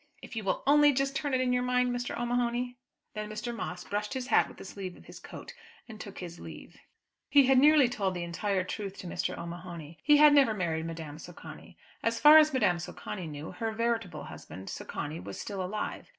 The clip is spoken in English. If you will only just turn it in your mind, Mr. O'Mahony." Then Mr. Moss brushed his hat with the sleeve of his coat and took his leave. He had nearly told the entire truth to Mr. O'Mahony. He had never married Madame Socani. As far as Madame Socani knew, her veritable husband, Socani, was still alive.